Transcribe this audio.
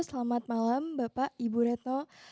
selamat malam bapak ibu reto